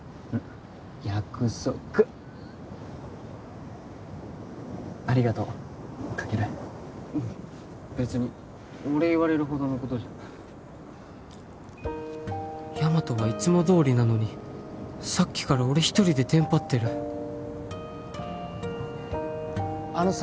約束ありがとうカケル別にお礼言われるほどのことじゃヤマトはいつもどおりなのにさっきから俺一人でテンパってるあのさ